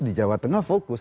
di jawa tengah fokus